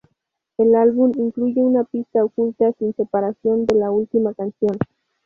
El álbum, incluye una pista oculta sin separación de la última canción.